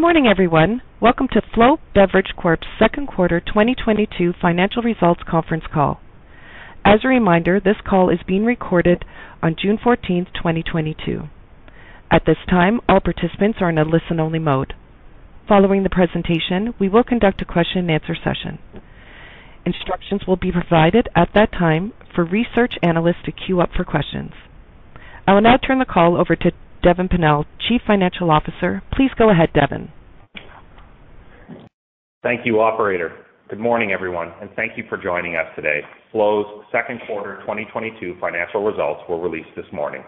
Good morning, everyone. Welcome to Flow Beverage Corp's Second Quarter 2022 Financial Results Conference Call. As a reminder, this call is being recorded on June 14th, 2022. At this time, all participants are in a listen-only mode. Following the presentation, we will conduct a question-and-answer session. Instructions will be provided at that time for research analysts to queue up for questions. I will now turn the call over to Devan Pennell, Chief Financial Officer. Please go ahead, Devan. Thank you, operator. Good morning, everyone, and thank you for joining us today. Flow's second quarter 2022 financial results were released this morning.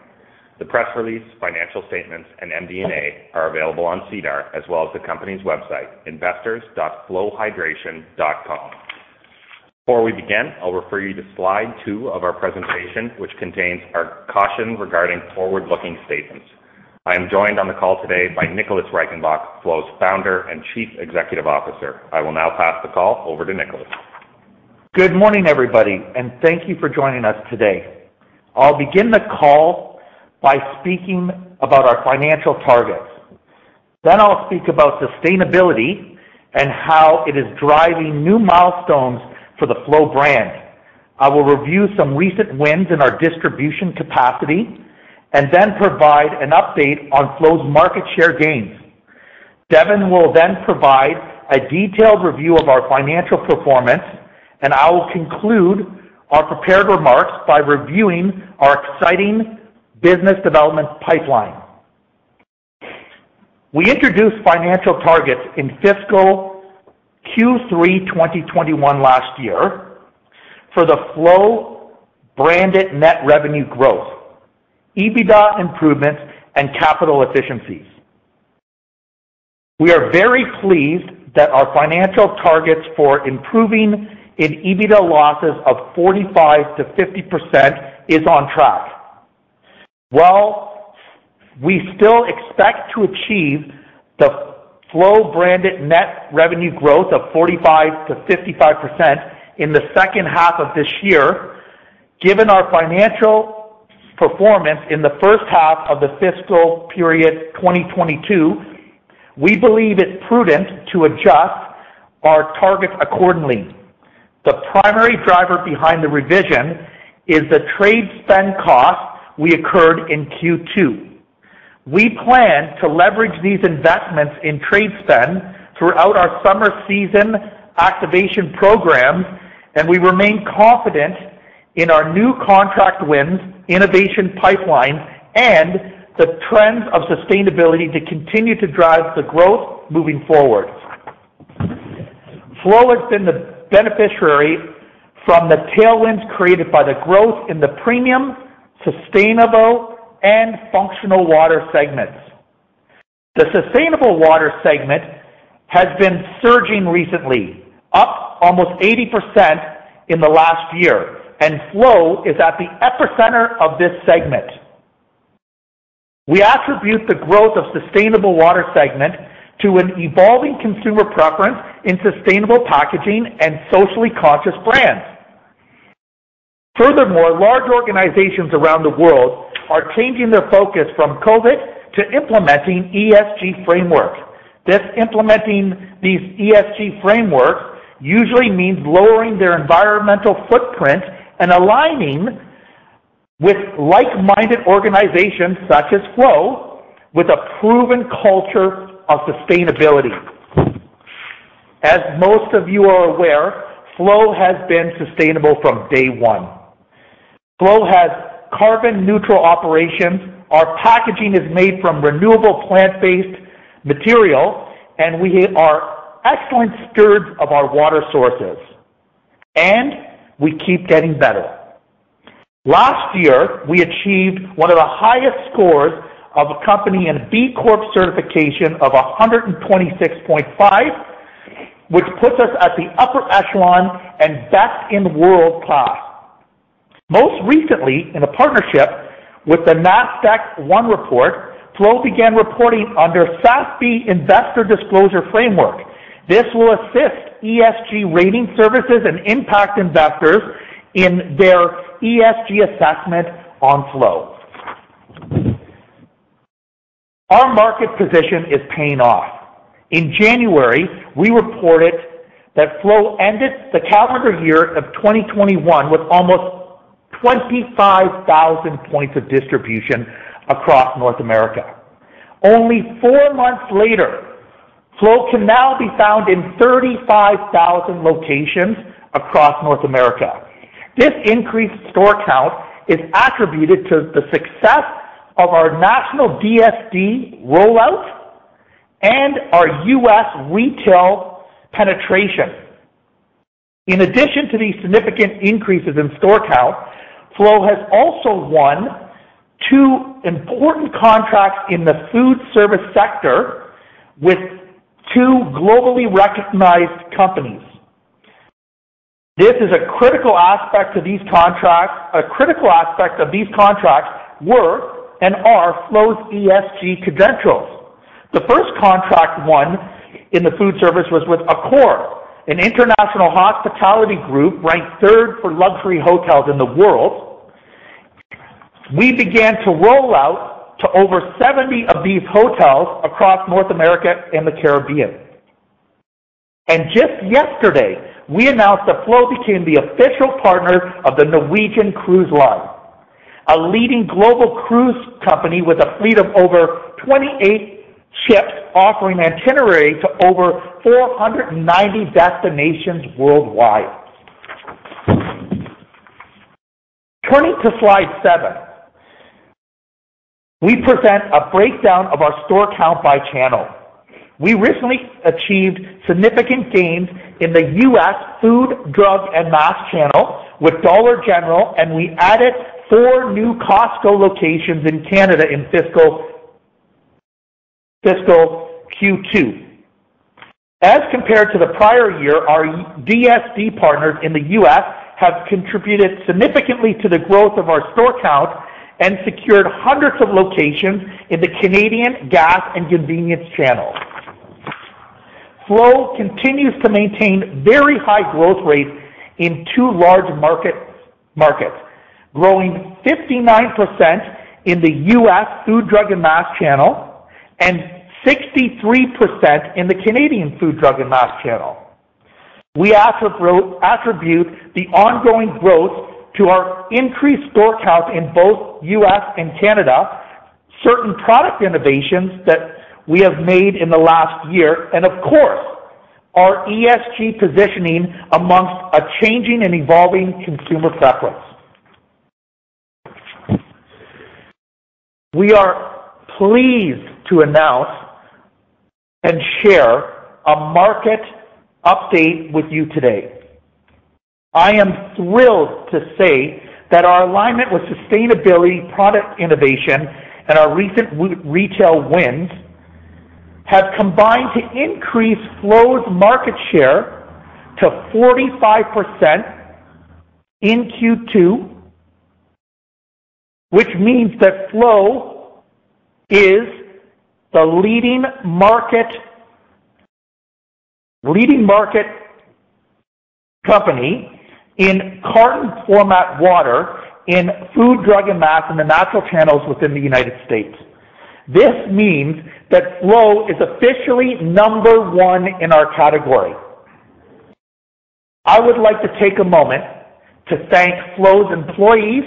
The press release, financial statements, and MD&A are available on SEDAR as well as the company's website, investors.flowhydration.com. Before we begin, I'll refer you to slide two of our presentation, which contains our caution regarding forward-looking statements. I am joined on the call today by Nicholas Reichenbach, Flow's Founder and Chief Executive Officer. I will now pass the call over to Nicholas. Good morning, everybody, and thank you for joining us today. I'll begin the call by speaking about our financial targets. I'll speak about sustainability and how it is driving new milestones for the Flow brand. I will review some recent wins in our distribution capacity and then provide an update on Flow's market share gains. Devan will then provide a detailed review of our financial performance, and I will conclude our prepared remarks by reviewing our exciting business development pipeline. We introduced financial targets in fiscal Q3 2021 last year for the Flow branded net revenue growth, EBITDA improvements, and capital efficiencies. We are very pleased that our financial targets for improving in EBITDA losses of 45%-50% is on track. While we still expect to achieve the Flow branded net revenue growth of 45%-55% in the second half of this year. Given our financial performance in the first half of the fiscal period 2022, we believe it's prudent to adjust our targets accordingly. The primary driver behind the revision is the trade spend costs we incurred in Q2. We plan to leverage these investments in trade spend throughout our summer season activation programs, and we remain confident in our new contract wins, innovation pipeline, and the trends of sustainability to continue to drive the growth moving forward. Flow has been the beneficiary from the tailwinds created by the growth in the premium, sustainable, and functional water segments. The sustainable water segment has been surging recently, up almost 80% in the last year, and Flow is at the epicenter of this segment. We attribute the growth of sustainable water segment to an evolving consumer preference in sustainable packaging and socially conscious brands. Furthermore, large organizations around the world are changing their focus from COVID to implementing ESG frameworks. Implementing these ESG frameworks usually means lowering their environmental footprint and aligning with like-minded organizations such as Flow with a proven culture of sustainability. As most of you are aware, Flow has been sustainable from day one. Flow has carbon neutral operations. Our packaging is made from renewable plant-based material, and we are excellent stewards of our water sources, and we keep getting better. Last year, we achieved one of the highest scores of a company in a B Corp Certification of 126.5, which puts us at the upper echelon and best in world class. Most recently, in a partnership with the Nasdaq OneReport, Flow began reporting under SASB Investor Disclosure Framework. This will assist ESG rating services and impact investors in their ESG assessment on Flow. Our market position is paying off. In January, we reported that Flow ended the calendar year of 2021 with almost 25,000 points of distribution across North America. Only four months later, Flow can now be found in 35,000 locations across North America. This increased store count is attributed to the success of our national DSD rollout and our U.S. retail penetration. In addition to these significant increases in store count, Flow has also won two important contracts in the food service sector with two globally recognized companies. A critical aspect of these contracts were and are Flow's ESG credentials. The first contract won in the food service was with Accor, an international hospitality group ranked third for luxury hotels in the world. We began to roll out to over 70 of these hotels across North America and the Caribbean. Just yesterday, we announced that Flow became the official partner of the Norwegian Cruise Line, a leading global cruise company with a fleet of over 28 ships offering itineraries to over 490 destinations worldwide. Turning to slide seven, we present a breakdown of our store count by channel. We recently achieved significant gains in the U.S. food, drug, and mass channel with Dollar General, and we added four new Costco locations in Canada in fiscal Q2. As compared to the prior year, our DSD partners in the U.S. have contributed significantly to the growth of our store count and secured hundreds of locations in the Canadian gas and convenience channel. Flow continues to maintain very high growth rates in two large markets, growing 59% in the U.S. food, drug, and mass channel and 63% in the Canadian food, drug, and mass channel. We attribute the ongoing growth to our increased store count in both U.S. and Canada, certain product innovations that we have made in the last year, and of course, our ESG positioning amongst a changing and evolving consumer preference. We are pleased to announce and share a market update with you today. I am thrilled to say that our alignment with sustainability, product innovation, and our recent retail wins have combined to increase Flow's market share to 45% in Q2, which means that Flow is the leading market company in carton format water in food, drug, and mass, and the natural channels within the United States. This means that Flow is officially number one in our category. I would like to take a moment to thank Flow's employees,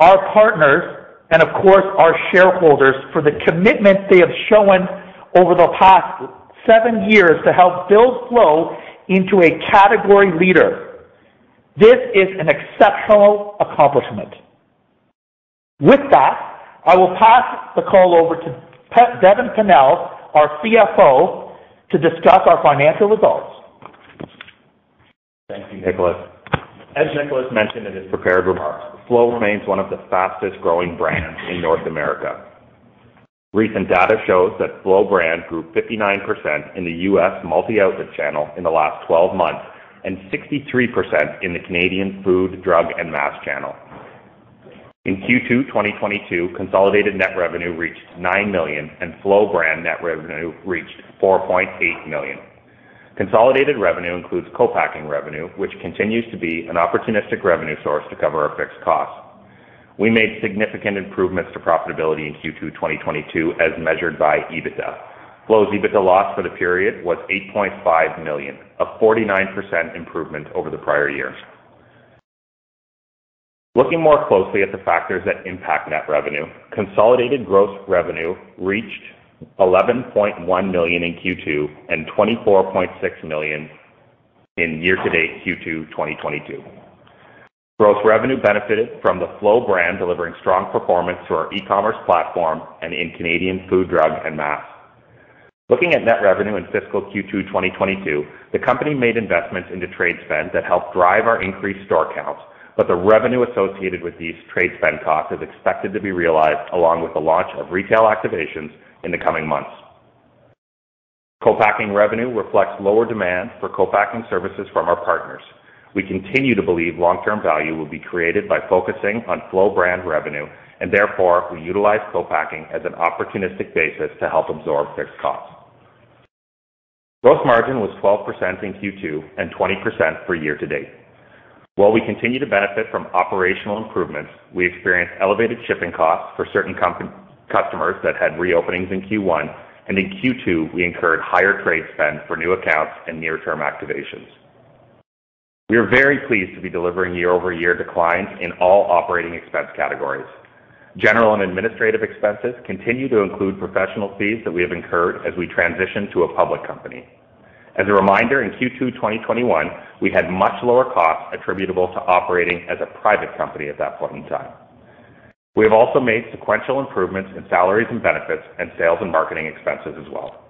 our partners, and of course, our shareholders for the commitment they have shown over the past seven years to help build Flow into a category leader. This is an exceptional accomplishment. With that, I will pass the call over to Devan Pennell, our CFO, to discuss our financial results. Thank you, Nicholas. As Nicholas mentioned in his prepared remarks, Flow remains one of the fastest-growing brands in North America. Recent data shows that Flow brand grew 59% in the U.S. multi-outlet channel in the last 12 months and 63% in the Canadian food, drug, and mass channel. In Q2 2022, consolidated net revenue reached 9 million, and Flow brand net revenue reached 4.8 million. Consolidated revenue includes co-packing revenue, which continues to be an opportunistic revenue source to cover our fixed costs. We made significant improvements to profitability in Q2 2022, as measured by EBITDA. Flow's EBITDA loss for the period was 8.5 million, a 49% improvement over the prior year. Looking more closely at the factors that impact net revenue, consolidated gross revenue reached 11.1 million in Q2 and 24.6 million in year-to-date Q2, 2022. Gross revenue benefited from the Flow brand, delivering strong performance to our e-commerce platform and in Canadian food, drug, and mass. Looking at net revenue in fiscal Q2 2022, the company made investments into trade spend that helped drive our increased store counts, but the revenue associated with these trade spend costs is expected to be realized along with the launch of retail activations in the coming months. Co-packing revenue reflects lower demand for co-packing services from our partners. We continue to believe long-term value will be created by focusing on Flow brand revenue, and therefore we utilize co-packing as an opportunistic basis to help absorb fixed costs. Gross margin was 12% in Q2 and 20% for year-to-date. While we continue to benefit from operational improvements, we experienced elevated shipping costs for certain customers that had re-openings in Q1, and in Q2, we incurred higher trade spend for new accounts and near-term activations. We are very pleased to be delivering year-over-year declines in all operating expense categories. General and administrative expenses continue to include professional fees that we have incurred as we transition to a public company. As a reminder, in Q2 2021, we had much lower costs attributable to operating as a private company at that point in time. We have also made sequential improvements in salaries and benefits and sales and marketing expenses as well.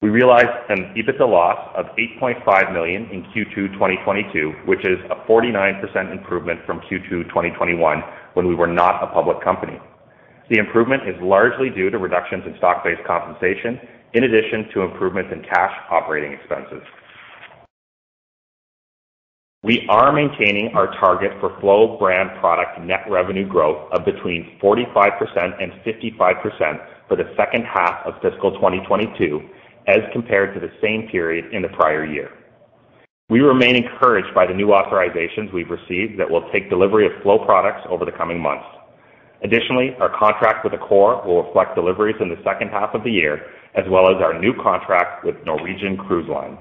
We realized an EBITDA loss of 8.5 million in Q2 2022, which is a 49% improvement from Q2 2021, when we were not a public company. The improvement is largely due to reductions in stock-based compensation in addition to improvements in cash operating expenses. We are maintaining our target for Flow brand product net revenue growth of between 45% and 55% for the second half of fiscal 2022 as compared to the same period in the prior year. We remain encouraged by the new authorizations we've received that will take delivery of Flow products over the coming months. Additionally, our contract with Accor will reflect deliveries in the second half of the year, as well as our new contract with Norwegian Cruise Line.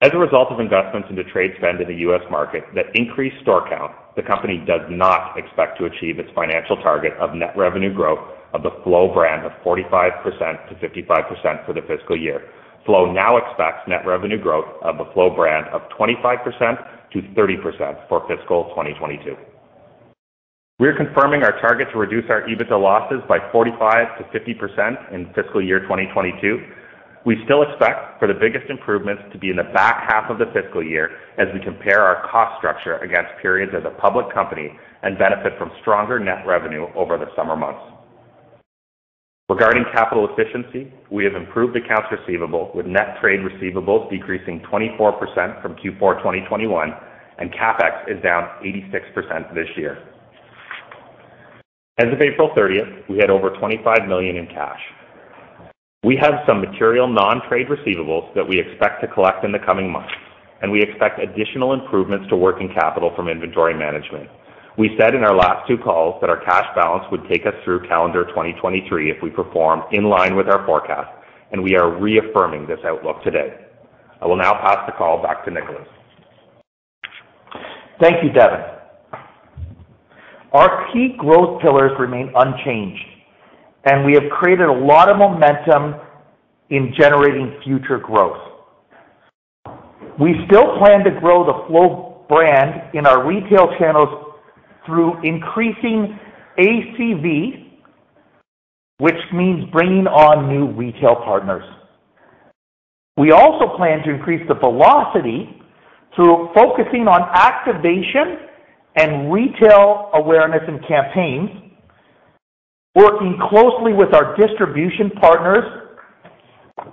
As a result of investments into trade spend in the U.S. market that increased store count, the company does not expect to achieve its financial target of net revenue growth of the Flow brand of 45%-55% for the fiscal year. Flow now expects net revenue growth of the Flow brand of 25%-30% for fiscal 2022. We are confirming our target to reduce our EBITDA losses by 45%-50% in fiscal year 2022. We still expect for the biggest improvements to be in the back half of the fiscal year as we compare our cost structure against periods as a public company and benefit from stronger net revenue over the summer months. Regarding capital efficiency, we have improved accounts receivable with net trade receivables decreasing 24% from Q4 2021, and CapEx is down 86% this year. As of April 30th, we had over 25 million in cash. We have some material non-trade receivables that we expect to collect in the coming months, and we expect additional improvements to working capital from inventory management. We said in our last two calls that our cash balance would take us through calendar 2023 if we perform in line with our forecast, and we are reaffirming this outlook today. I will now pass the call back to Nicholas. Thank you, Devan. Our key growth pillars remain unchanged, and we have created a lot of momentum in generating future growth. We still plan to grow the Flow brand in our retail channels through increasing ACV, which means bringing on new retail partners. We also plan to increase the velocity through focusing on activation and retail awareness and campaigns, working closely with our distribution partners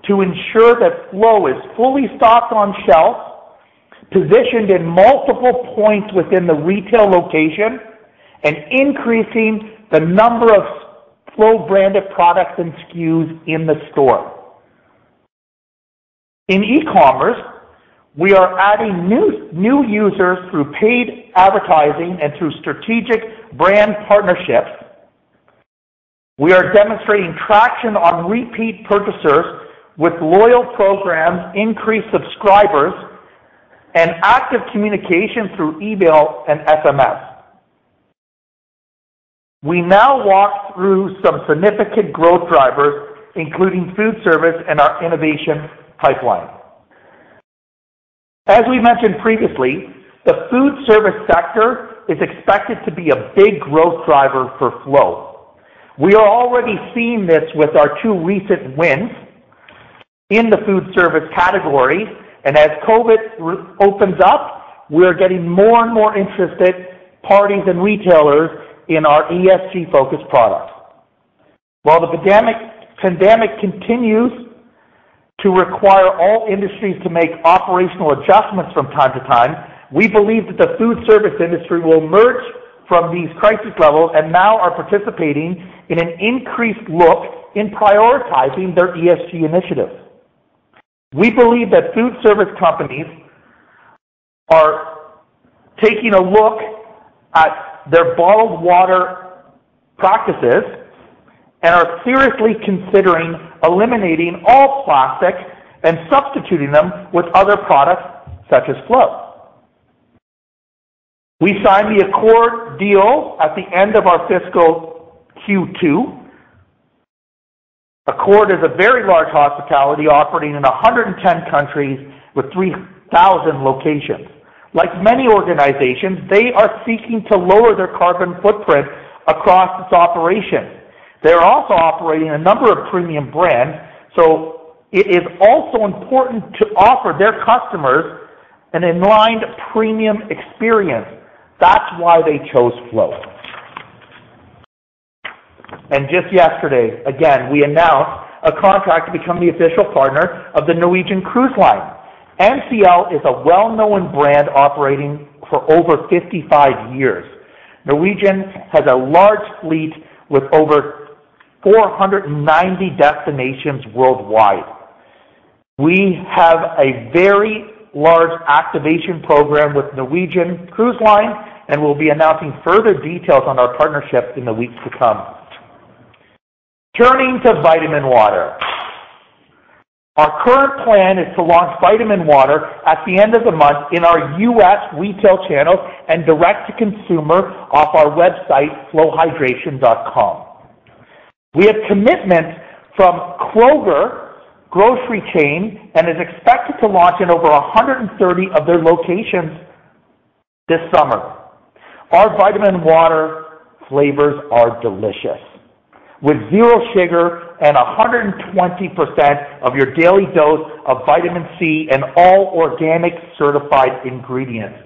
to ensure that Flow is fully stocked on shelves, positioned in multiple points within the retail location, and increasing the number of Flow branded products and SKUs in the store. In e-commerce, we are adding new users through paid advertising and through strategic brand partnerships. We are demonstrating traction on repeat purchasers with loyal programs, increased subscribers, and active communication through email and SMS. We now walk through some significant growth drivers, including food service and our innovation pipeline. As we mentioned previously, the food service sector is expected to be a big growth driver for Flow. We are already seeing this with our two recent wins in the food service category. As COVID re-opens up, we're getting more and more interested parties and retailers in our ESG-focused products. While the pandemic continues to require all industries to make operational adjustments from time to time, we believe that the food service industry will emerge from these crisis levels and now are participating in an increased look in prioritizing their ESG initiatives. We believe that food service companies are taking a look at their bottled water practices and are seriously considering eliminating all plastic and substituting them with other products such as Flow. We signed the Accor deal at the end of our fiscal Q2. Accor is a very large hospitality operator in 110 countries with 3,000 locations. Like many organizations, they are seeking to lower their carbon footprint across its operations. They're also operating a number of premium brands, so it is also important to offer their customers an aligned premium experience. That's why they chose Flow. Just yesterday, again, we announced a contract to become the official partner of the Norwegian Cruise Line. NCL is a well-known brand operating for over 55 years. Norwegian has a large fleet with over 490 destinations worldwide. We have a very large activation program with Norwegian Cruise Line, and we'll be announcing further details on our partnership in the weeks to come. Turning to Vitamin Water. Our current plan is to launch Vitamin Water at the end of the month in our U.S. retail channels and direct to consumer off our website, flowhydration.com. We have commitment from Kroger grocery chain and is expected to launch in over 130 of their locations this summer. Our Vitamin Water flavors are delicious, with zero sugar and 120% of your daily dose of vitamin C and all organic certified ingredients.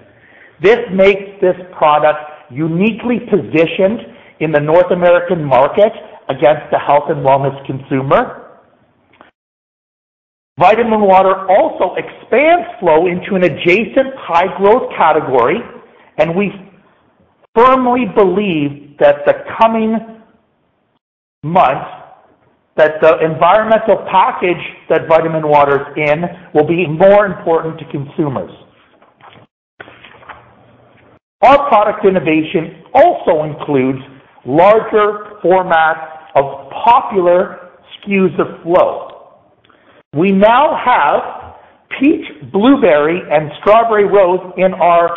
This makes this product uniquely positioned in the North American market against the health and wellness consumer. Vitamin Water also expands Flow into an adjacent high growth category, and we firmly believe that the coming months that the environmental package that Vitamin Water is in will be more important to consumers. Our product innovation also includes larger formats of popular SKUs of Flow. We now have Peach + Blueberry and Strawberry + Rose in our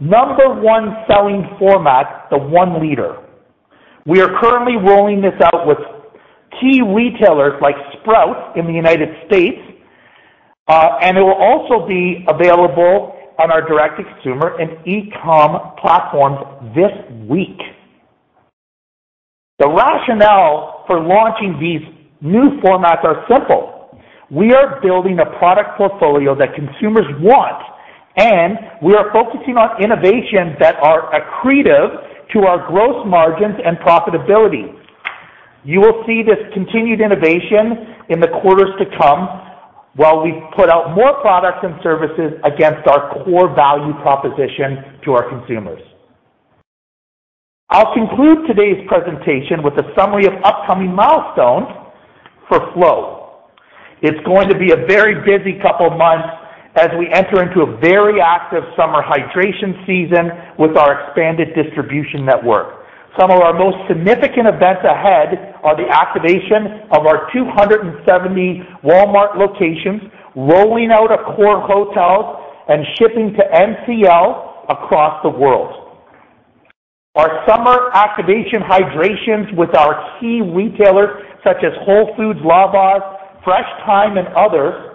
number one selling format, the 1 L. We are currently rolling this out with key retailers like Sprouts in the United States, and it will be available on our direct-to-consumer and e-com platforms this week. The rationale for launching these new formats are simple. We are building a product portfolio that consumers want, and we are focusing on innovations that are accretive to our gross margins and profitability. You will see this continued innovation in the quarters to come while we put out more products and services against our core value proposition to our consumers. I'll conclude today's presentation with a summary of upcoming milestones for Flow. It's going to be a very busy couple of months as we enter into a very active summer hydration season with our expanded distribution network. Some of our most significant events ahead are the activation of our 270 Walmart locations, rolling out Accor hotels and shipping to NCL across the world. Our summer activation hydrations with our key retailers such as Whole Foods, Loblaws, Fresh Thyme, and others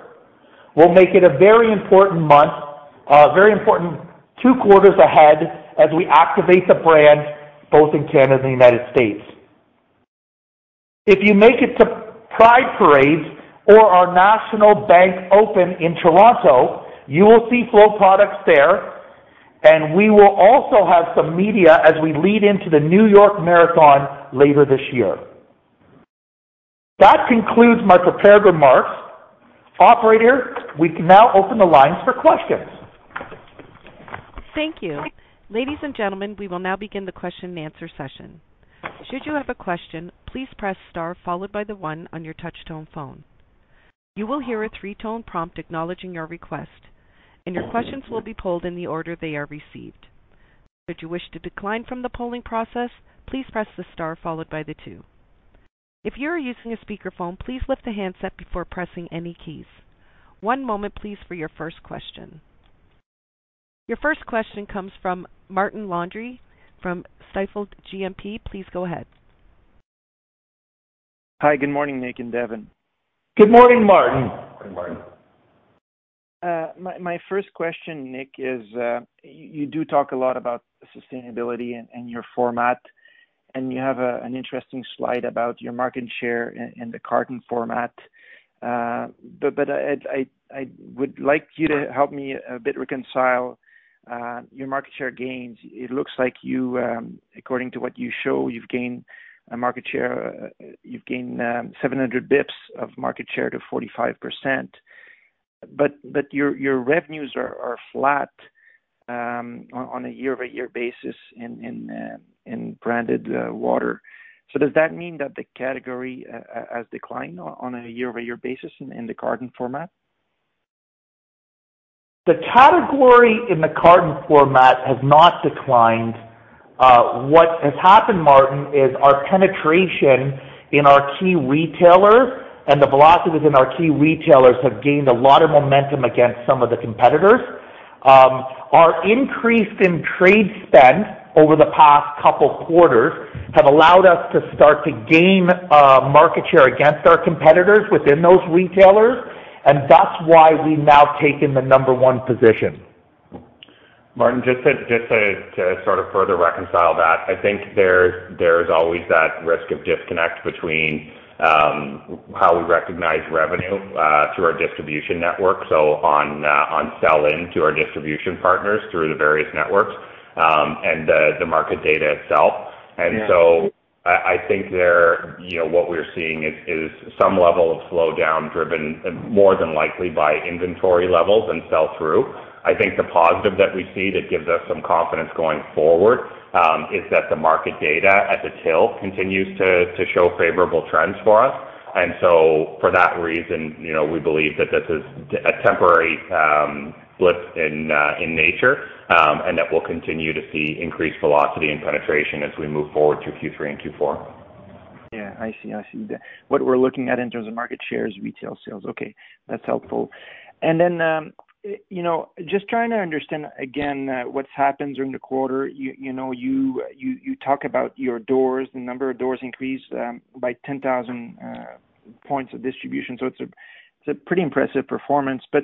will make it a very important month, very important two quarters ahead as we activate the brand both in Canada and the United States. If you make it to Pride Parades or our National Bank Open in Toronto, you will see Flow products there, and we will also have some media as we lead into the New York Marathon later this year. That concludes my prepared remarks. Operator, we can now open the lines for questions. Thank you. Ladies and gentlemen, we will now begin the question and answer session. Should you have a question, please press star followed by the one on your touch-tone phone. You will hear a three-tone prompt acknowledging your request, and your questions will be polled in the order they are received. Should you wish to decline from the polling process, please press the star followed by the two. If you are using a speakerphone, please lift the handset before pressing any keys. One moment please for your first question. Your first question comes from Martin Landry from Stifel GMP. Please go ahead. Hi. Good morning, Nick and Devan. Good morning, Martin. Good morning. My first question, Nick, is you do talk a lot about sustainability and your format, and you have an interesting slide about your market share in the carton format. I would like you to help me a bit reconcile your market share gains. It looks like you, according to what you show, you've gained 700 basis points of market share to 45%, but your revenues are flat on a year-over-year basis in branded water. Does that mean that the category has declined on a year-over-year basis in the carton format? The category in the carton format has not declined. What has happened, Martin, is our penetration in our key retailers and the velocities in our key retailers have gained a lot of momentum against some of the competitors. Our increase in trade spend over the past couple quarters have allowed us to start to gain market share against our competitors within those retailers, and that's why we've now taken the number one position. Martin, just to sort of further reconcile that, I think there's always that risk of disconnect between how we recognize revenue through our distribution network, so on sell-in to our distribution partners through the various networks, and the market data itself. Yeah. I think, you know, what we're seeing is some level of slowdown driven more than likely by inventory levels rather than sell-through. I think the positive that we see that gives us some confidence going forward is that the market data at the till continues to show favorable trends for us. For that reason, you know, we believe that this is a temporary blip in nature, and that we'll continue to see increased velocity and penetration as we move forward through Q3 and Q4. Yeah. I see what we're looking at in terms of market share is retail sales. Okay. That's helpful. You know, just trying to understand again, what's happened during the quarter. You know, you talk about your doors, the number of doors increased by 10,000 points of distribution, so it's a pretty impressive performance. But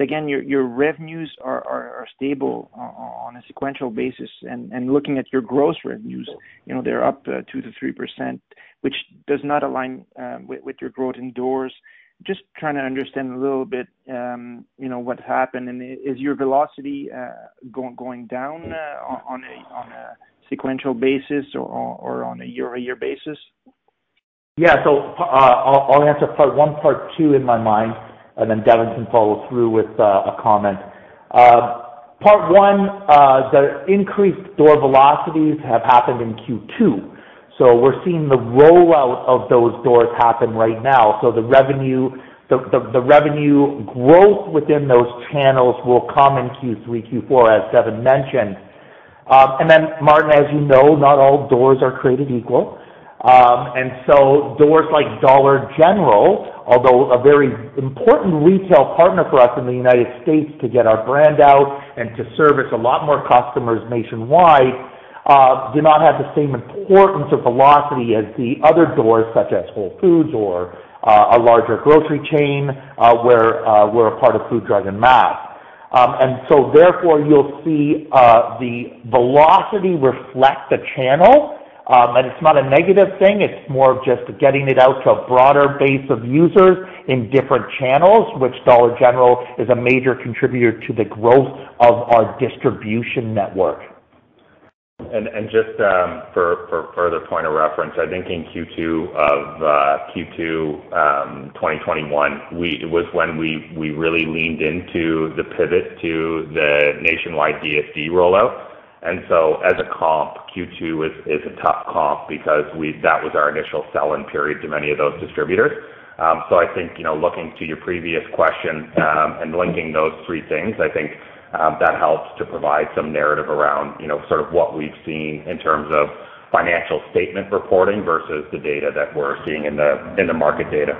again, your revenues are stable on a sequential basis. Looking at your gross revenues, you know, they're up 2%-3%, which does not align with your growth in doors. Just trying to understand a little bit, you know, what happened. Is your velocity going down on a sequential basis or on a year-over-year basis? Yeah. I'll answer part one, part two in my mind, and then Devan can follow through with a comment. Part one, the increased door velocities have happened in Q2. We're seeing the rollout of those doors happen right now. The revenue growth within those channels will come in Q3, Q4, as Devan mentioned. Martin, as you know, not all doors are created equal. Doors like Dollar General, although a very important retail partner for us in the United States to get our brand out and to service a lot more customers nationwide, do not have the same importance or velocity as the other doors, such as Whole Foods or a larger grocery chain, where we're a part of food, drug, and mass. Therefore, you'll see the velocity reflect the channel. It's not a negative thing. It's more of just getting it out to a broader base of users in different channels, which Dollar General is a major contributor to the growth of our distribution network. Just for further point of reference, I think in Q2 2021, it was when we really leaned into the pivot to the nationwide DSD rollout. As a comp, Q2 is a tough comp because that was our initial sell-in period to many of those distributors. I think, you know, looking to your previous question and linking those three things, I think that helps to provide some narrative around, you know, sort of what we've seen in terms of financial statement reporting versus the data that we're seeing in the market data.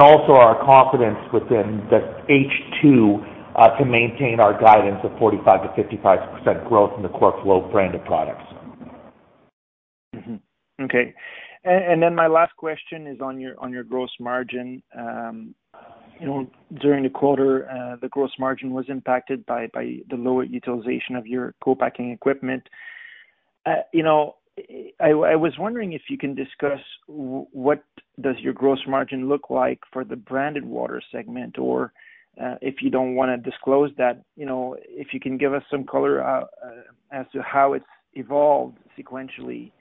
Also our confidence within the H2 to maintain our guidance of 45%-55% growth in the core Flow brand of products. Okay. Then my last question is on your gross margin. You know, during the quarter, the gross margin was impacted by the lower utilization of your co-packing equipment. You know, I was wondering if you can discuss what your gross margin looks like for the branded water segment, or, if you don't wanna disclose that, you know, if you can give us some color as to how it's evolved sequentially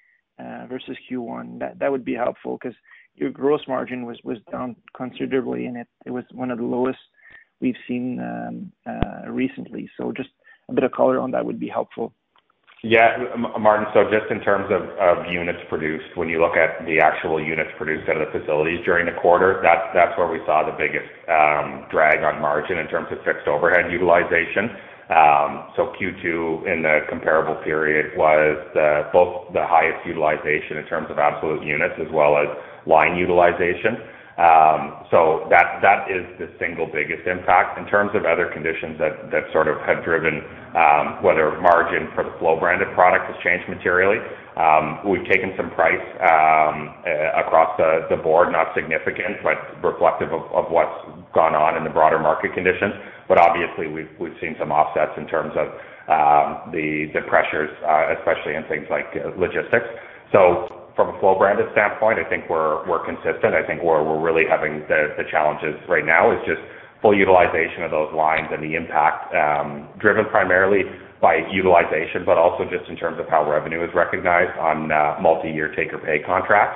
versus Q1, that would be helpful 'cause your gross margin was down considerably, and it was one of the lowest we've seen recently. So just a bit of color on that would be helpful. Yeah. Martin, just in terms of units produced, when you look at the actual units produced out of the facilities during the quarter, that's where we saw the biggest drag on margin in terms of fixed overhead utilization. Q2 in the comparable period was both the highest utilization in terms of absolute units as well as line utilization. That is the single biggest impact. In terms of other conditions that sort of have driven the margin for the Flow-branded product has changed materially. We've taken some price across the board, not significant, but reflective of what's gone on in the broader market conditions. Obviously we've seen some offsets in terms of the pressures, especially in things like logistics. From a Flow branded standpoint, I think we're consistent. I think where we're really having the challenges right now is just full utilization of those lines and the impact driven primarily by utilization, but also just in terms of how revenue is recognized on multi-year take or pay contracts.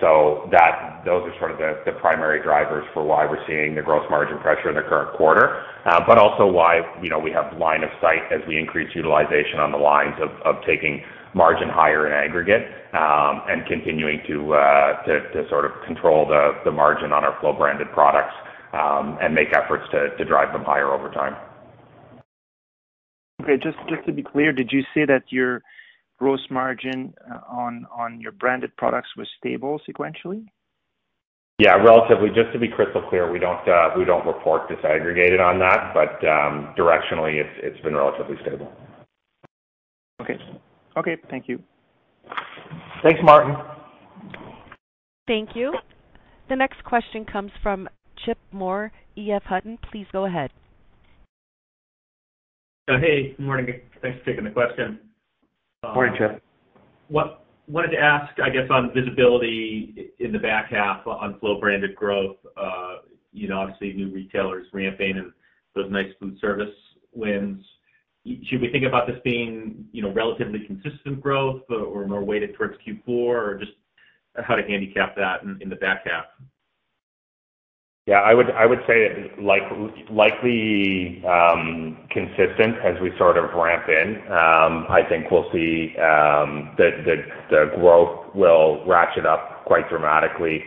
Those are sort of the primary drivers for why we're seeing the gross margin pressure in the current quarter. But also why, you know, we have line of sight as we increase utilization on the lines of taking margin higher in aggregate, and continuing to sort of control the margin on our Flow branded products, and make efforts to drive them higher over time. Okay. Just to be clear, did you say that your gross margin on your branded products was stable sequentially? Yeah, relatively. Just to be crystal clear, we don't report disaggregated on that, but directionally it's been relatively stable. Okay. Okay, thank you. Thanks, Martin. Thank you. The next question comes from Chip Moore, EF Hutton. Please go ahead. Hey, good morning. Thanks for taking the question. Morning, Chip. Wanted to ask, I guess, on visibility in the back half on Flow branded growth. You know, obviously new retailers ramping and those nice food service wins. Should we think about this being, you know, relatively consistent growth or more weighted towards Q4, or just how to handicap that in the back half? Yeah, I would say like likely consistent as we sort of ramp in. I think we'll see the growth will ratchet up quite dramatically,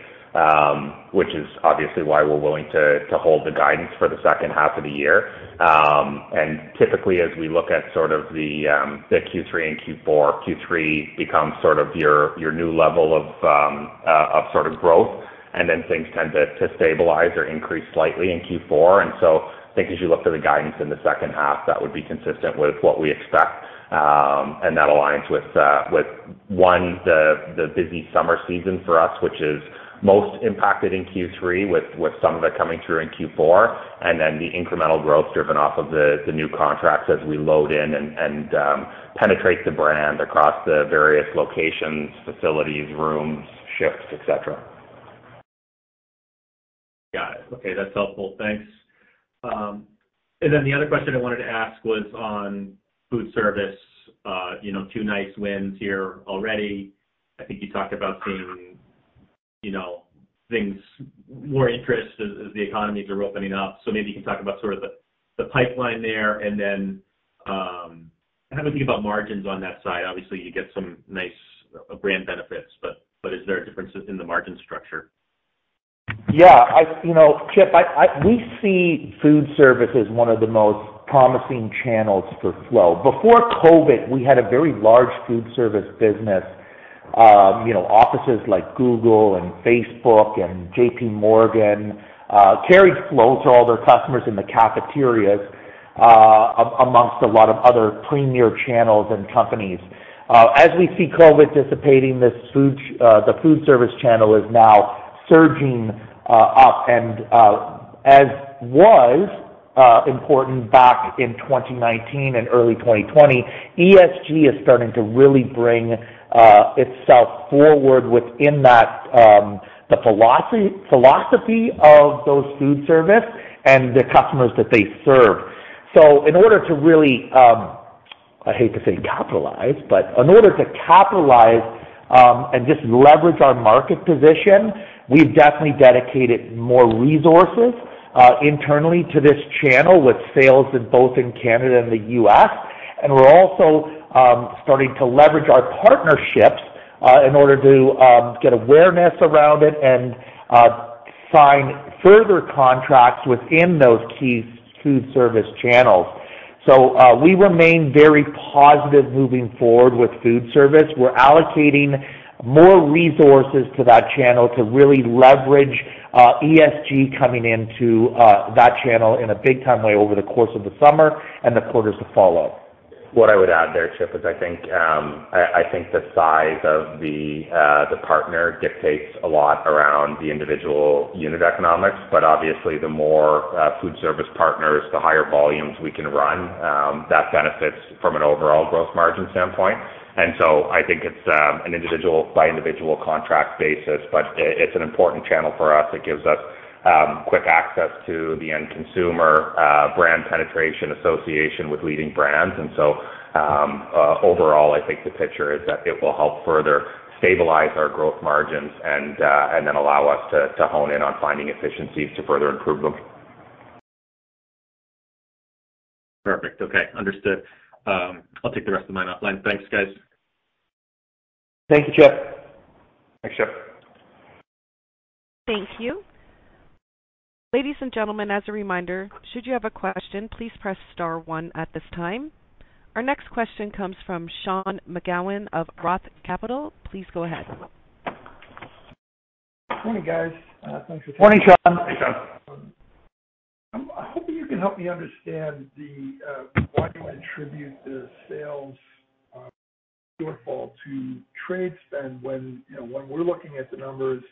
which is obviously why we're willing to hold the guidance for the second half of the year. Typically as we look at sort of the Q3 and Q4, Q3 becomes sort of your new level of sort of growth, and then things tend to stabilize or increase slightly in Q4. I think as you look to the guidance in the second half, that would be consistent with what we expect. That aligns with the busy summer season for us, which is most impacted in Q3 with some of it coming through in Q4, and then the incremental growth driven off of the new contracts as we load in and penetrate the brand across the various locations, facilities, rooms, shifts, et cetera. Got it. Okay. That's helpful. Thanks. Then the other question I wanted to ask was on food service. You know, two nice wins here already. I think you talked about seeing more interest as the economies are opening up. Maybe you can talk about sort of the pipeline there and then, how do we think about margins on that side? Obviously, you get some nice brand benefits, but is there a difference in the margin structure? Yeah. You know, Chip, we see food service as one of the most promising channels for Flow. Before COVID, we had a very large food service business. You know, offices like Google and Facebook and JPMorgan carried Flow to all their customers in the cafeterias, amongst a lot of other premier channels and companies. As we see COVID dissipating, the food service channel is now surging up and, as was important back in 2019 and early 2020, ESG is starting to really bring itself forward within that, the philosophy of those food service and the customers that they serve. In order to really, I hate to say capitalize, but in order to capitalize, and just leverage our market position, we've definitely dedicated more resources, internally to this channel with sales in both in Canada and the U.S. We're also starting to leverage our partnerships, in order to get awareness around it and sign further contracts within those key food service channels. We remain very positive moving forward with food service. We're allocating more resources to that channel to really leverage ESG coming into that channel in a big-time way over the course of the summer and the quarters to follow. What I would add there, Chip, is I think the size of the partner dictates a lot around the individual unit economics, but obviously, the more food service partners, the higher volumes we can run, that benefits from an overall growth margin standpoint. I think it's an individual by individual contract basis, but it's an important channel for us. It gives us quick access to the end consumer, brand penetration association with leading brands. Overall, I think the picture is that it will help further stabilize our growth margins and then allow us to hone in on finding efficiencies to further improve them. Perfect. Okay. Understood. I'll take the rest of my night line. Thanks, guys. Thank you, Chip. Thanks, Chip. Thank you. Ladies and gentlemen, as a reminder, should you have a question, please press star one at this time. Our next question comes from Sean McGowan of Roth Capital. Please go ahead. Morning, guys. Thanks for taking- Morning, Sean. Hey, Sean. I'm hoping you can help me understand the why you attribute the sales shortfall to trade spend when, you know, when we're looking at the numbers,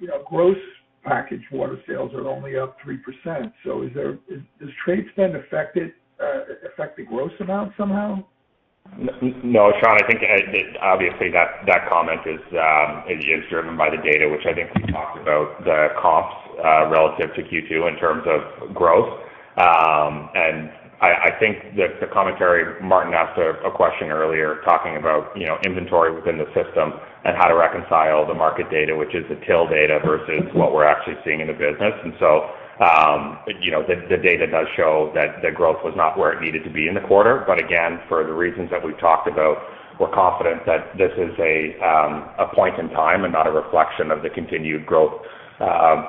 you know, gross packaged water sales are only up 3%. Does trade spend affect the gross amount somehow? No, Sean, I think obviously that comment is driven by the data, which I think we talked about the comps relative to Q2 in terms of growth. I think the commentary Martin asked a question earlier talking about, you know, inventory within the system and how to reconcile the market data, which is the till data versus what we're actually seeing in the business. You know, the data does show that the growth was not where it needed to be in the quarter. Again, for the reasons that we've talked about, we're confident that this is a point in time and not a reflection of the continued growth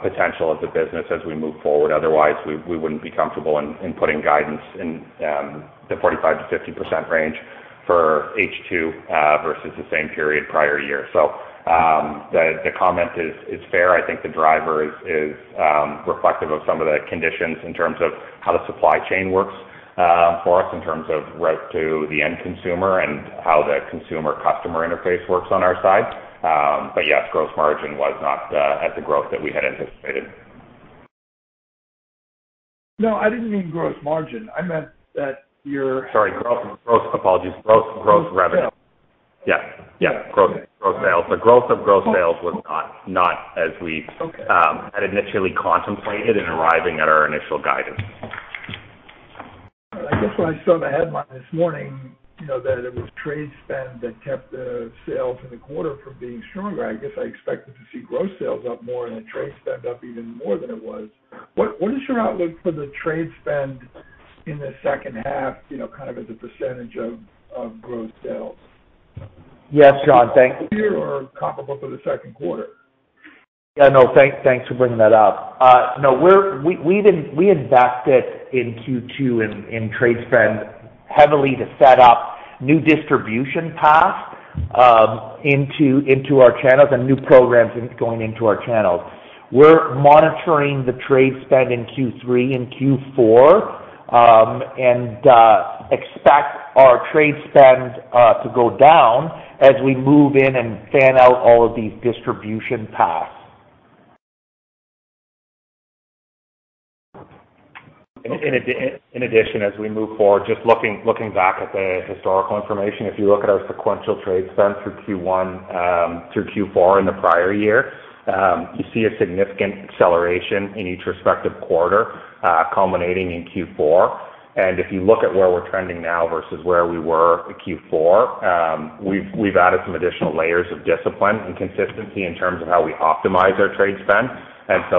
potential of the business as we move forward. Otherwise, we wouldn't be comfortable in putting guidance in the 45%-50% range for H2 versus the same period prior year. The comment is fair. I think the driver is reflective of some of the conditions in terms of how the supply chain works for us in terms of route to the end consumer and how the consumer-customer interface works on our side. Yes, gross margin was not at the growth that we had anticipated. No, I didn't mean gross margin. I meant that your- Sorry. Gross apologies. Gross revenue. Sales. Yeah. Yeah. Yeah. Gross sales. The growth of gross sales was not as we. Okay. had initially contemplated in arriving at our initial guidance. I guess when I saw the headline this morning, you know, that it was trade spend that kept the sales in the quarter from being stronger, I guess I expected to see gross sales up more and a trade spend up even more than it was. What is your outlook for the trade spend in the second half, you know, kind of as a percentage of gross sales? Yes, Sean. Thanks. Year or comparable for the second quarter? Yeah. No. Thanks for bringing that up. No, we invested in Q2 in trade spend heavily to set up new distribution paths into our channels and new programs going into our channels. We're monitoring the trade spend in Q3 and Q4 and expect our trade spend to go down as we move in and fan out all of these distribution paths. In addition, as we move forward, just looking back at the historical information, if you look at our sequential trade spend from Q1 through Q4 in the prior year, you see a significant acceleration in each respective quarter, culminating in Q4. If you look at where we're trending now versus where we were at Q4, we've added some additional layers of discipline and consistency in terms of how we optimize our trade spend.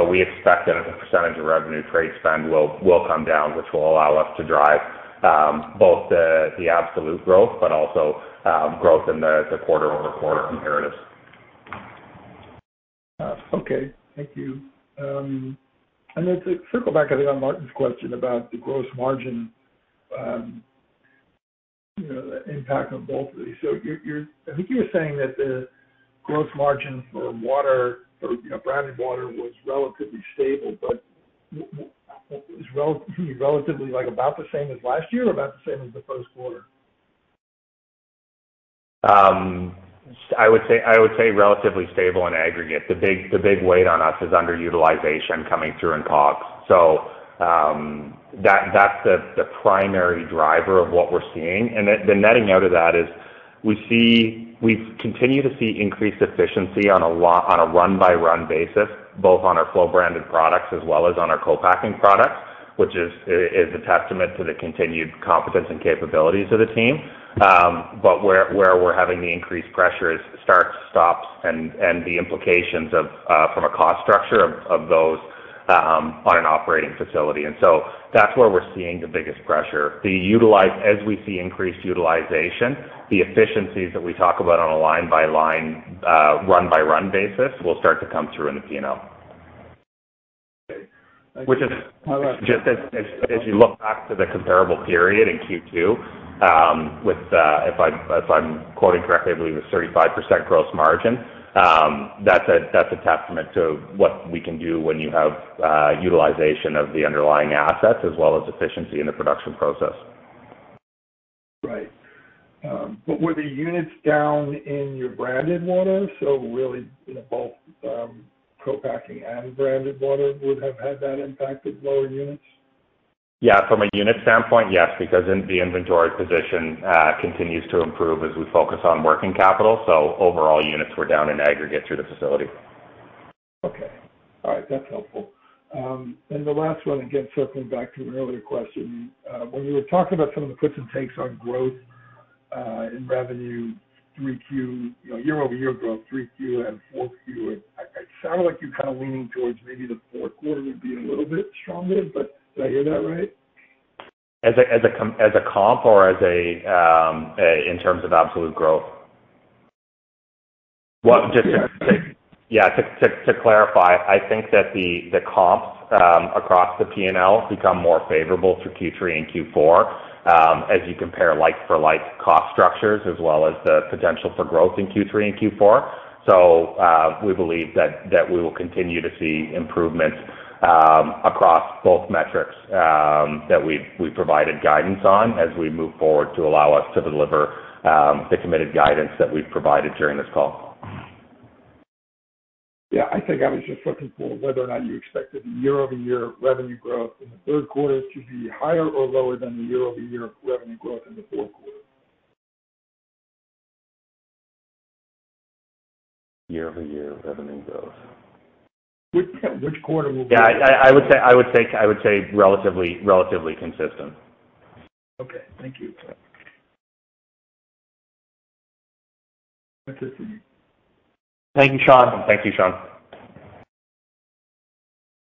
We expect that as a percentage of revenue trade spend will come down, which will allow us to drive both the absolute growth but also growth in the quarter-over-quarter comparatives. Thank you. To circle back, I think, on Martin's question about the gross margin, you know, the impact on both of these. I think you're saying that the gross margin for water or, you know, branded water was relatively stable, but was relatively like about the same as last year or about the same as the first quarter? I would say relatively stable in aggregate. The big weight on us is underutilization coming through in COGS. That's the primary driver of what we're seeing. The netting out of that is we continue to see increased efficiency on a run-by-run basis, both on our Flow branded products as well as on our co-packing products, which is a testament to the continued competence and capabilities of the team. Where we're having the increased pressure is starts, stops and the implications thereof from a cost structure of those on an operating facility. That's where we're seeing the biggest pressure. As we see increased utilization, the efficiencies that we talk about on a line-by-line, run-by-run basis will start to come through in the P&L. Okay. Which is just as you look back to the comparable period in Q2, with, if I'm quoting correctly, I believe it was 35% gross margin, that's a testament to what we can do when you have utilization of the underlying assets as well as efficiency in the production process. Right. Were the units down in your branded water? Really both, co-packing and branded water would have had that impact with lower units? Yeah. From a unit standpoint, yes, because in the inventory position continues to improve as we focus on working capital. Overall units were down in aggregate through the facility. Okay. All right. That's helpful. The last one, again, circling back to an earlier question, when you were talking about some of the puts and takes on growth in revenue, 3Q, you know, year-over-year growth, 3Q and 4Q, it sounded like you're kind of leaning towards maybe the fourth quarter would be a little bit stronger. But did I hear that right? As a comp or as a in terms of absolute growth? To clarify, I think that the comps across the P&L become more favorable through Q3 and Q4, as you compare like for like cost structures as well as the potential for growth in Q3 and Q4. We believe that we will continue to see improvements across both metrics that we provided guidance on as we move forward to allow us to deliver the committed guidance that we've provided during this call. Yeah. I think I was just looking for whether or not you expected the year-over-year revenue growth in the third quarter to be higher or lower than the year-over-year revenue growth in the fourth quarter. year-over-year revenue growth. Which quarter will- Yeah. I would say relatively consistent. Okay. Thank you. That's it for me. Thank you, Sean. Thank you, Sean.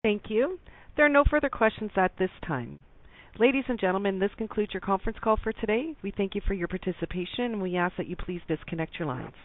Thank you. There are no further questions at this time. Ladies and gentlemen, this concludes your conference call for today. We thank you for your participation and we ask that you please disconnect your lines.